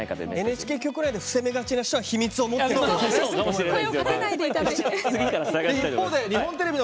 ＮＨＫ局内で伏せ目がちな人は秘密を持っているということですね。